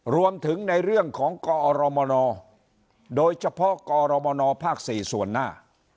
รวมถึงในเรื่องของกอรมนโดยเฉพาะกรมนภ๔ส่วนหน้า